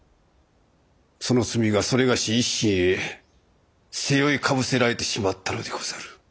その罪が某一身へ背負いかぶせられてしまったのでござる。